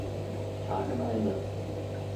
Tag im Einsatz.